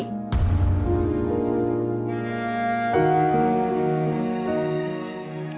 ada yang nama mondi